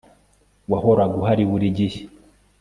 wahoraga uhari burigihe